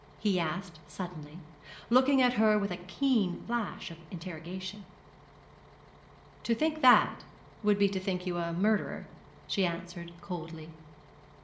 he asked, suddenly, looking at her with a keen flash of interrogation. 'To think that would be to think you a murderer,' she answered, coldly.